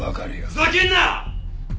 ふざけんな！